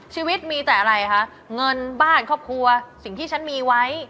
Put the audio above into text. ชีวิตมีแต่อะไรคะเงินบ้านครอบครัวสิ่งที่ฉันมีไว้